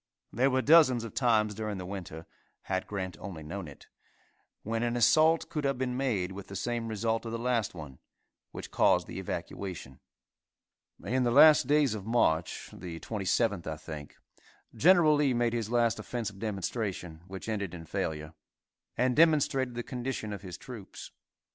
There were dozens of times during the winter, had Grant only known it, when an assault could have been made with the same result of the last one, which caused the evacuation. In the last days of March, the 27th, I think, Gen. Lee made his last offensive demonstration, which ended in failure, and demonstrated the condition of his troops.